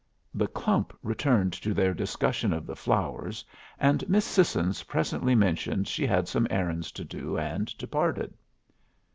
The clump returned to their discussion of the flowers, and Miss Sissons presently mentioned she had some errands to do, and departed.